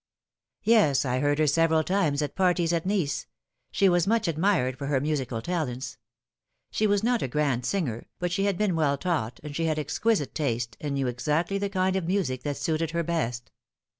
" Yes, I heard her several times at parties at Nice. She was much admired for her musical talents. She was not a grand ginger, but she had been well taught, and she had exquisite taste, and knew exactly the kind of music that suited her best.